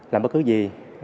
làm bất cứ gì